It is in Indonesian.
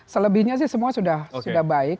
selebihnya sih semua sudah baik